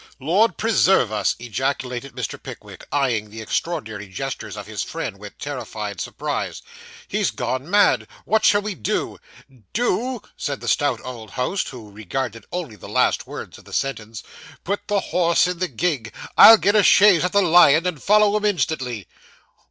'Lord preserve us!' ejaculated Mr. Pickwick, eyeing the extraordinary gestures of his friend with terrified surprise. 'He's gone mad! What shall we do?' Do!' said the stout old host, who regarded only the last words of the sentence. 'Put the horse in the gig! I'll get a chaise at the Lion, and follow 'em instantly.